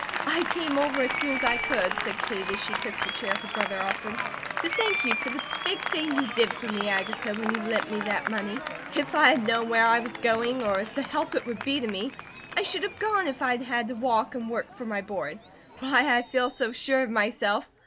"I came over, as soon as I could," said Kate as she took the chair her brother offered, "to thank you for the big thing you did for me, Agatha, when you lent me that money. If I had known where I was going, or the help it would be to me, I should have gone if I'd had to walk and work for my board. Why, I feel so sure of myself!